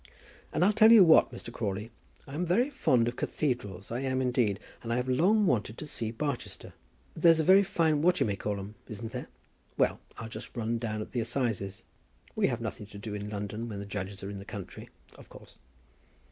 "And I'll tell you what, Mr. Crawley; I am very fond of cathedrals, I am indeed; and I have long wanted to see Barchester. There's a very fine what you may call em; isn't there? Well; I'll just run down at the assizes. We have nothing to do in London when the judges are in the country, of course."